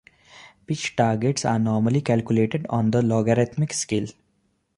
Pitch targets are normally calculated on a logarithmic scale.